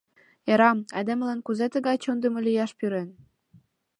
— Ӧрам, айдемылан кузе тыгай чондымо лияш пӱрен?